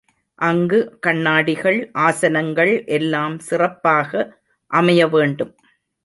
அங்கு கண்ணாடிகள், ஆசனங்கள் எல்லாம் சிறப்பாக அமைய வேண்டும்.